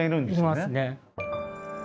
いますね。